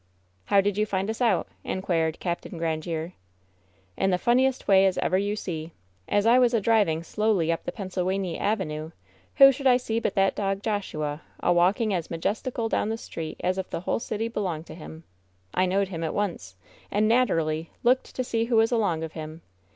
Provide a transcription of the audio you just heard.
"How did you find us out?" inquired Capt. Gran diere. "In the fuiiniest way as ever you see. As I was a driving slowly up the Pennsylwany Avenue who i" v ' •shoulc' I see but that dog, Joshua, a walking as majesti cal down the ntreet as if the whole city belonged to him. I know fd him at once, and naterally looked to see who was a) ;ng of him.